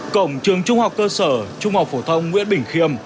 cổng trường trung học cơ sở trung học phổ thông nguyễn bình khiêm